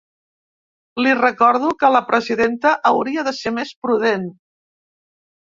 Li recordo que la presidenta hauria de ser més prudent.